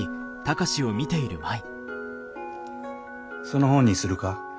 その本にするか？